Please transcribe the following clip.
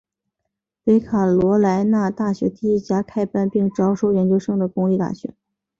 北卡罗来纳大学第一家开班并招收研究生的公立大学。